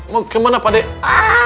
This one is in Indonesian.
mau kemana padel